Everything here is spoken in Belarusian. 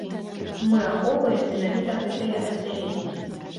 Мы ахоўваем менавіта гэтае аддзяленне.